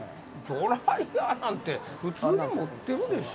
ドライヤーなんて普通に持ってるでしょ。